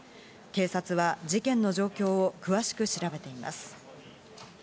警察は事件の状況を詳しく調べています。